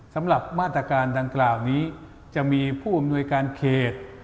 สำหรับมาตรการดังกล่าวนี้จะมีผู้อำนวยการเขต